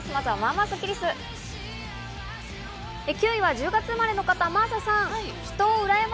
９位は１０月生まれの方、真麻さん。